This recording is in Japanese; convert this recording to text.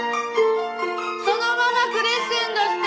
そのままクレッシェンドして！